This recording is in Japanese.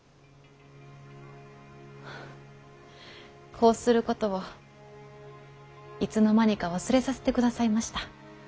こうすることをいつの間にか忘れさせてくださいました。